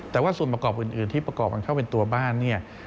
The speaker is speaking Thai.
แต่ว่าส่วนประกอบอื่นที่ประกอบกันเข้าเป็นตัวบ้านเนี่ย